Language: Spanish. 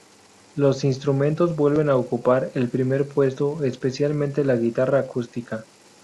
Los instrumentos vuelven a ocupar el primer puesto, especialmente la guitarra acústica.